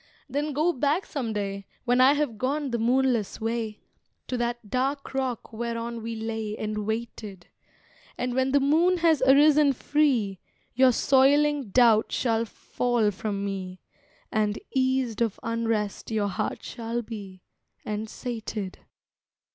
Then go back some day, When I have gone the moonless way, To that dark rock whereon we lay And waited; And when the moon has arisen free, Your soiling doubt shall fall from me, And eased of unrest your heart shall be, And sated.